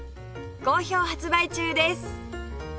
好評発売中です